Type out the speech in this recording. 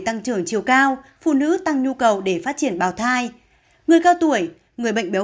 tăng trưởng chiều cao phụ nữ tăng nhu cầu để phát triển bào thai người cao tuổi người bệnh